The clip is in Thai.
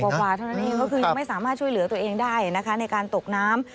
ขวบจนก็คืออยู่ไม่สามารถช่วยเหลือตัวเองได้ในการตกน้ำ